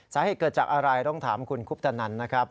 สาเหตุเกิดจากอะไรต้องถามคุณคุปตนันนะครับ